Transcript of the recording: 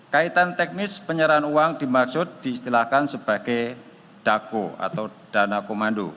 kaitan teknis penyerahan uang dimaksud diistilahkan sebagai dako atau dana komando